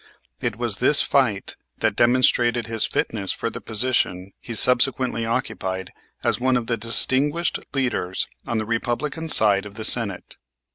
It was this fight that demonstrated his fitness for the position he subsequently occupied as one of the distinguished leaders on the Republican side of the Senate.